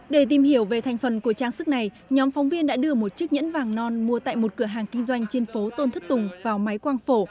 để tìm hiểu về thành phần của trang sức này nhóm phóng viên đã đưa một chiếc nhẫn vàng non mua tại một cửa hàng kinh doanh trên phố tôn thất tùng vào máy quang phổ